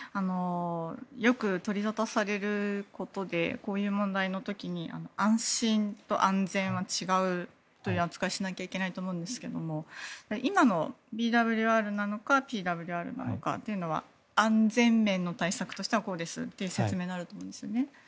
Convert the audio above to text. よく取り沙汰されることでこういう問題の時に安心と安全は違うという扱いをしなきゃいけないと思いますが今のＢＷＲなのかＰＷＲなのかというのは安全面の対策としてはこうですという説明になると思うんですよね。